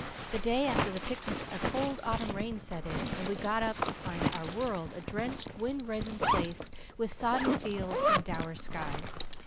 The day after the picnic a cold autumn rain set in, and we got up to find our world a drenched, wind writhen place, with sodden fields and dour skies.